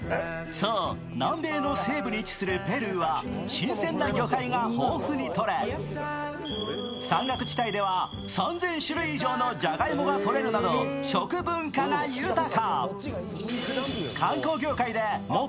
そう、南米の西部に位置するペルーは新鮮な魚介が豊富にとれ山岳地帯では３０００種類以上のじゃがいもがとれるなど食文化が豊か。